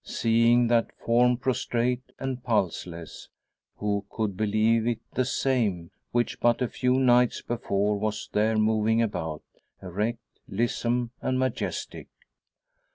Seeing that form prostrate and pulseless, who could believe it the same, which but a few nights before was there moving about, erect, lissome, and majestic?